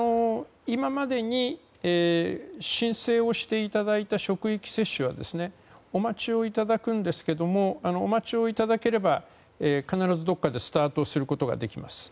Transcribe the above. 今までに申請をしていただいた職域接種はお待ちをいただくんですがお待ちをいただければ必ず、どこかでスタートすることができます。